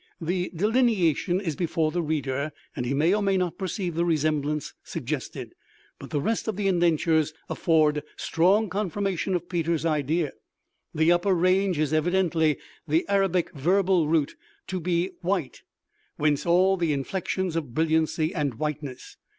The delineation is before the reader, and he may, or may not, perceive the resemblance suggested; but the rest of the indentures afford strong confirmation of Peters' idea. The upper range is evidently the Arabic verbal root "To be white," whence all the inflections of brilliancy and whiteness.